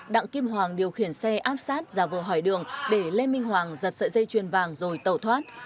đặng kim hoàng điều khiển xe áp sát ra vừa hỏi đường để lê minh hoàng giật sợi dây chuyền vàng rồi tẩu thoát